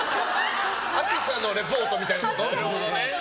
暑さのリポートみたいな？